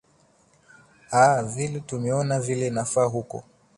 aa vile tumeona vile imefanyika huko